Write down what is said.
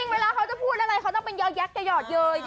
เวลาจะพูดอะไรเขาต้องเยียร์ย